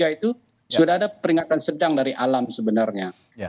dua ribu dua puluh tiga itu sudah ada peringatan sedang dari alam sebenarnya